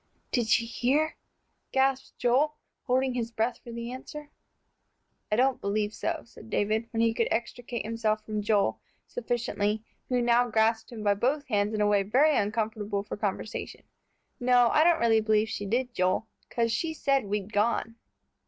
"Did she hear?" gasped Joel, holding his breath for the answer. "I don't believe so," said David, when he could extricate himself from Joel sufficiently, who now grasped him by both hands in a way very uncomfortable for conversation. "No, I don't really believe she did, Joel, 'cause she said we'd gone."